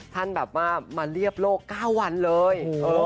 ท่านแบบมาเรียบโลก๙วันเลย